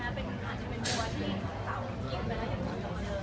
มันเป็นภาษาไทยภาษาไทยก็ไม่ได้จัดการ